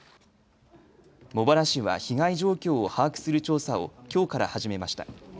茂原市は被害状況を把握する調査をきょうから始めました。